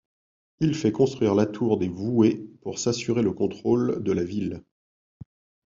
Il fait construire la tour des Voués pour s'assurer le contrôle de la ville.